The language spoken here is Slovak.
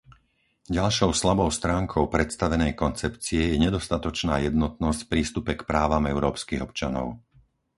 Ďalšou slabou stránkou predstavenej koncepcie je nedostatočná jednotnosť v prístupe k právam európskych občanov.